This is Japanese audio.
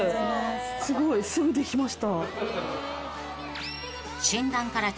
すごい。すぐできました。